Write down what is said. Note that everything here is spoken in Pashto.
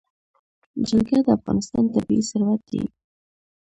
جلګه د افغانستان طبعي ثروت دی.